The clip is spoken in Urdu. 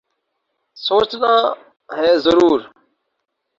سوچنا ہے ضرور ۔